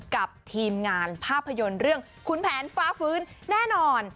กับทีมงานภาพยนตร์เรื่องขุนแผนฟ้าฟื้นแน่นอน